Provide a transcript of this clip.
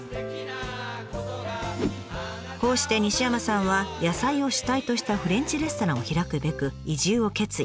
こうして西山さんは野菜を主体としたフレンチレストランを開くべく移住を決意。